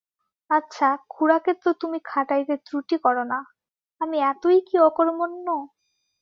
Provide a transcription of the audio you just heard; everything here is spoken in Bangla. আচ্ছা, খুড়াকে তো তুমি খাটাইতে ত্রুটি কর না, আমি এতই কি অকর্মণ্য?